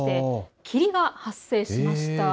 霧が発生しました。